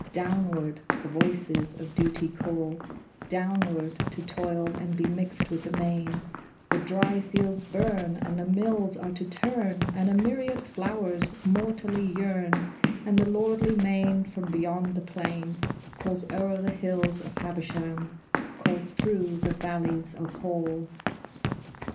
Downward the voices of Duty call Downward, to toil and be mixed with the main, The dry fields burn, and the mills are to turn, And a myriad flowers mortally yearn, And the lordly main from beyond the plain Calls o'er the hills of Habersham, Calls through the valleys of Hall.